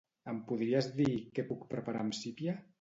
Em podries dir què puc preparar amb sípia?